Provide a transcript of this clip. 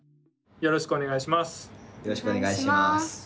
よろしくお願いします。